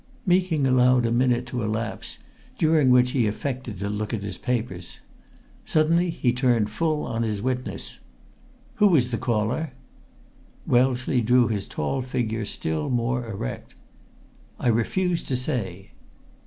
Meeking allowed a minute to elapse, during which he affected to look at his papers. Suddenly he turned full on his witness. "Who was the caller?" Wellesley drew his tall figure still more erect. "I refuse to say!"